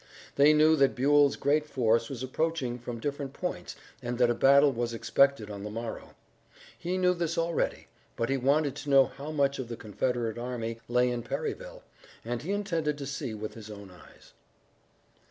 They knew that Buell's great force was approaching from different points and that a battle was expected on the morrow. He knew this already, but he wanted to know how much of the Confederate army lay in Perryville, and he intended to see with his own eyes.